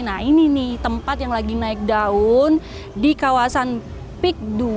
nah ini nih tempat yang lagi naik daun di kawasan pik dua